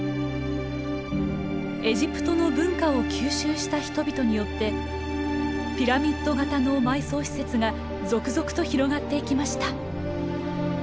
エジプトの文化を吸収した人々によってピラミッド型の埋葬施設が続々と広がっていきました。